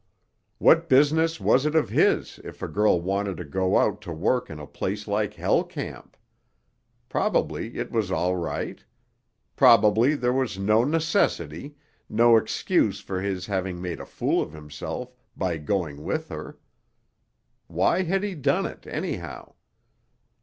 What business was it of his if a girl wanted to go out to work in a place like Hell Camp? Probably it was all right. Probably there was no necessity, no excuse for his having made a fool of himself by going with her. Why had he done it, anyhow?